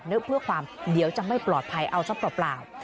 เนื้อเพื่อความเดี๋ยวจะไม่ปลอดภัยเอาซับต่อเปล่า